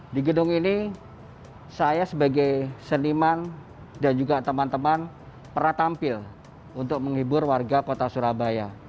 di gedung ini saya sebagai seniman dan juga teman teman pernah tampil untuk menghibur warga kota surabaya